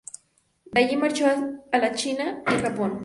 De allí marchó a la China y el Japón.